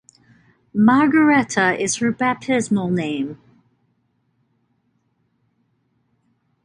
Margareta is her baptismal name.